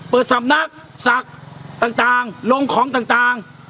เปิดสำนักสรรคต่างลงของต่าง